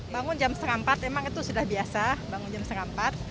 bangun jam setengah empat emang itu sudah biasa bangun jam setengah empat